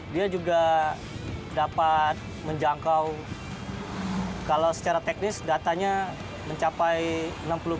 dia juga dapat menjangkau kalau secara teknis datanya mencapai enam puluh empat